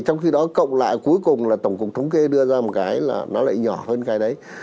trong khi đó cộng lại cuối cùng là tổng cục thống kê đưa ra một cái là nó lại nhỏ hơn cái đấy